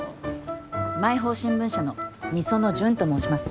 毎報新聞社の御園純と申します。